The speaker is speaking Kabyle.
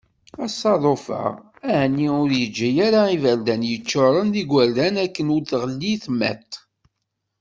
Asaḍuf-a aɛni ur yugi ara iberdan yeččuren d igurdan akken ur teɣli timiṭ?